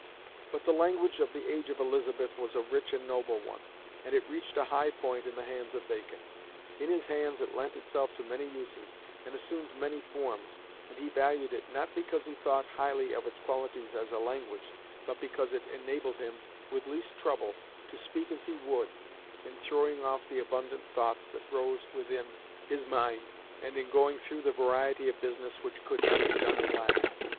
But the language of the age of Elizabeth was a rich and noble one, and it reached a high point in the hands of Bacon. In his hands it lent itself to many uses, and assumed many forms, and he valued it, not because he thought highly of its qualities as a language, but because it enabled him with least trouble "to speak as he would," in throwing off the abundant thoughts that rose within his mind, and in going through the variety of business which could not be done in Latin.